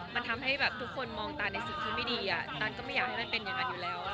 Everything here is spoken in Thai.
มันทำให้แบบทุกคนมองตาในสิ่งที่ไม่ดีตันก็ไม่อยากให้มันเป็นอย่างนั้นอยู่แล้ว